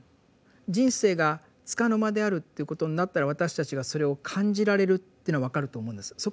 人生が束の間であるということになったら私たちがそれを感じられるっていうのは分かると思うんです。